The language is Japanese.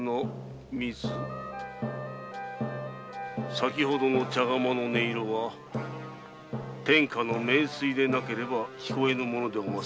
先ほどの茶釜の音色は天下の名水でなければ聞えぬものでおます